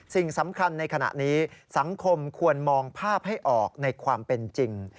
สิ่งสำคัญในขณะนี้สังคมควรมองภาพให้ออกในความเป็นจริง